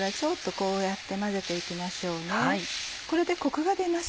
これでコクが出ます。